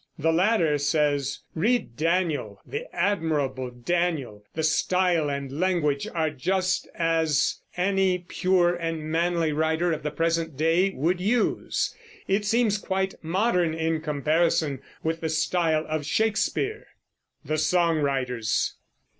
The latter says: "Read Daniel, the admirable Daniel. The style and language are just such as any pure and manly writer of the present day would use. It seems quite modern in comparison with the style of Shakespeare." THE SONG WRITERS.